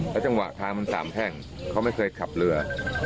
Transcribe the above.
จังหวะทางมันสามแพ่งเขาไม่เคยขับเรือ